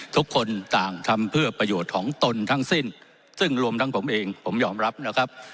ทุกคนต่างทำเพื่อประโยชน์ของตนทั้งสิ้นซึ่งรวมทั้งผมเองผมยอมรับนะครับ